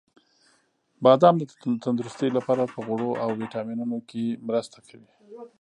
• بادام د تندرستۍ لپاره په غوړو او ویټامینونو کې مرسته کوي.